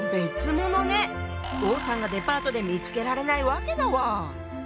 王さんがデパートで見つけられないわけだわ。